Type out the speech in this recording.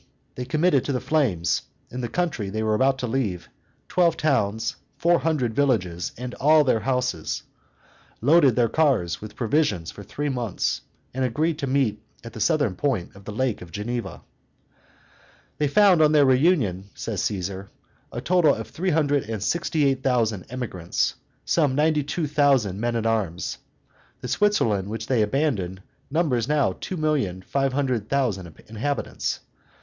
they committed to the flames, in the country they were about to leave, twelve towns, four hundred villages, and all their houses; loaded their cars with provisions for three months, and agreed to meet at the southern point of the Lake of Geneva. They found on their reunion, says Caesar, a total of three hundred and sixty eight thousand emigrants, including ninety two thousand men at arms. The Switzerland which they abandoned numbers now two million five hundred thousand inhabitants.